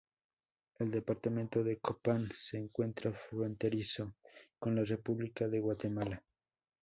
El departamento de Copán, se encuentra fronterizo con la república de Guatemala.